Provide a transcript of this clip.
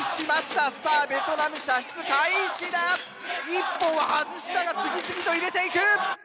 １本は外したが次々と入れていく！